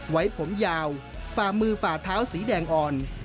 ไว้ผมยาวฝ่ามือฝ่าเท้าสีแดงอ่อน